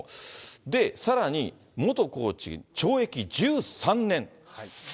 で、さらに、元コーチ、懲役１３年。